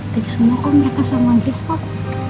tegih semua kok mereka sama aja spok